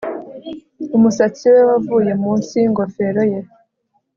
Umusatsi we wavuye munsi yingofero ye